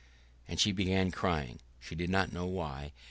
And she began crying, she did not know why.